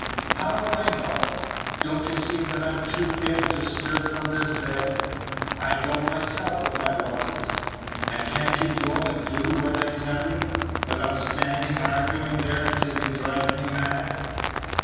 "How do I know? Don't you see that I'm too ill to stir from this bed? I'd go myself if I was n't. And can't you go and do what I tell you, without standing arguing there until you drive me mad?"